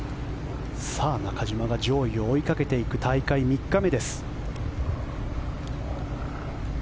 中島が上位を追いかけていく大会３日目です。